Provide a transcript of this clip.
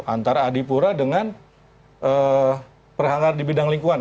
antara adipura dengan perhangat di bidang lingkungan